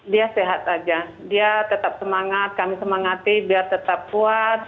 dia sehat aja dia tetap semangat kami semangati biar tetap kuat